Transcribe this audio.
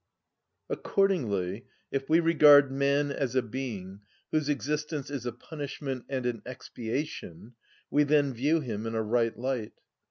Accordingly, if we regard man as a being whose existence is a punishment and an expiation, we then view him in a right light.